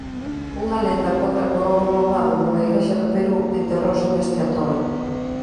Unha lenda conta que o ouro roubado nunha igrexa do Perú enterrouse neste atol.